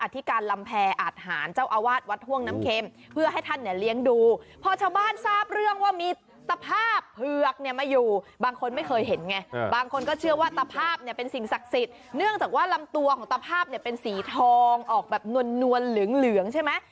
ตัวของตะภาพเป็นสีทองออกแบบนวลเหลืองใช่ไหม